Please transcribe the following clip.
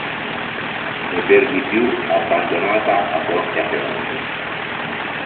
E, per di più, abbandonata a porte aperte!